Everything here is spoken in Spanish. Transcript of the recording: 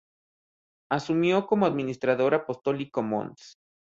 Asumió como Administrador Apostólico mons.